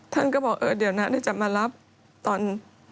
ท่านก็บอกเออเดี๋ยวนะจะมารับตอน